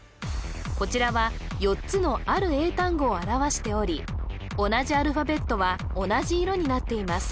こちらは４つのある英単語を表しており同じアルファベットは同じ色になっています